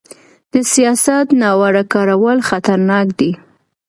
د سیاست ناوړه کارول خطرناک دي